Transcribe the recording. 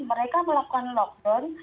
mereka melakukan lockdown